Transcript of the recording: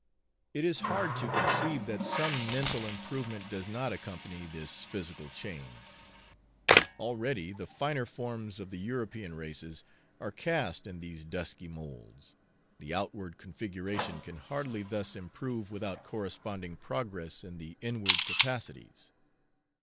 It is hard to conceive that some mental improvement does not accompany this physical change. Already the finer forms of the European races are cast in these dusky moulds: the outward configuration can hardly thus improve without corresponding progress in the inward capacities.